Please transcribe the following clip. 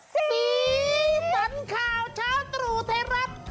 สีฟันข่าวชาวตรูเทรับ